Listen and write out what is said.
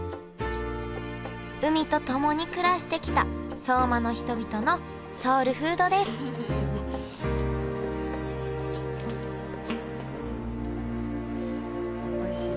海と共に暮らしてきた相馬の人々のソウルフードですおいしい。